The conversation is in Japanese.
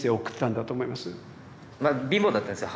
まあ貧乏だったんですよ